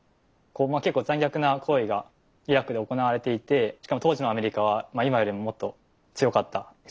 結構残虐な行為がイラクで行われていてしかも当時のアメリカは今よりももっと強かった。